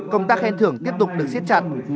công tác khen thưởng tiếp tục được xiết chặt